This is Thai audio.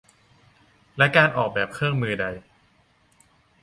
และการออกแบบเครื่องมือใด